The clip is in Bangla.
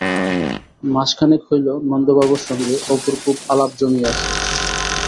মাসখানেক হইল নন্দবাবুর সঙ্গে অপুর খুব আলাপ জমিয়াছে।